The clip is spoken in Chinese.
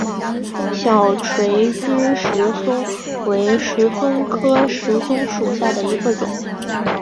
小垂枝石松为石松科石松属下的一个种。